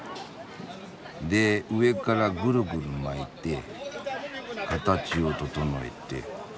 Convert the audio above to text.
で上からぐるぐる巻いて形を整えて。